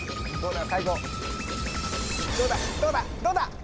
どうだ？